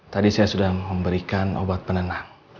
tadi saya sudah memberikan obat penenang